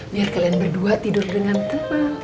biar kalian berdua tidur dengan tenang